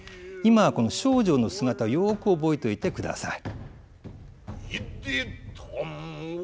今はこの丞相の姿をよく覚えておいてください。